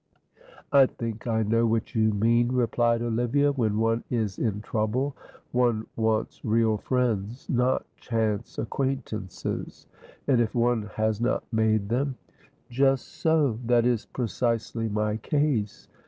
"I think I know what you mean," replied Olivia. "When one is in trouble, one wants real friends, not chance acquaintances, and if one has not made them " "Just so that is precisely my case.